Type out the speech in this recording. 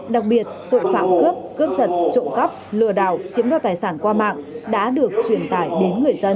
đặc biệt tội phạm cướp cướp giật trộm cắp lừa đảo chiếm đoạt tài sản qua mạng đã được truyền tải đến người dân